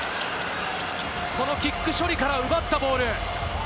このキック処理から奪ったボール。